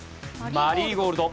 マリーゴールド。